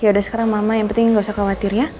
yaudah sekarang mama yang penting nggak usah khawatir ya